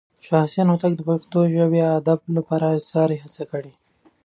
شاه حسين هوتک د پښتو ژبې او ادب لپاره بې ساری هڅې کړې.